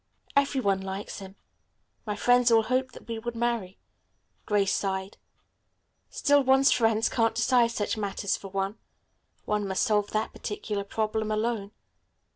"Every one likes him. My friends all hoped that we would marry." Grace sighed. "Still one's friends can't decide such matters for one. One must solve that particular problem alone."